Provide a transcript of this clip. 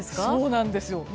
そうなんですよ。